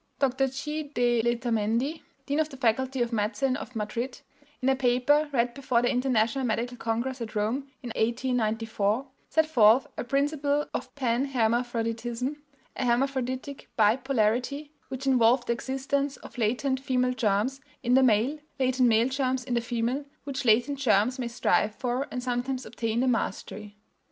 Dr. G. de Letamendi, Dean of the Faculty of Medicine of Madrid, in a paper read before the International Medical Congress at Rome in 1894, set forth a principle of panhermaphroditism a hermaphroditic bipolarity which involved the existence of latent female germs in the male, latent male germs in the female, which latent germs may strive for, and sometimes obtain, the mastery.